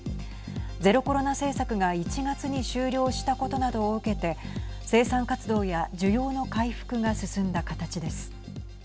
ゼロコロナ政策が１月に終了したことなどを受けて生産活動や需要の回復が進んだ形です。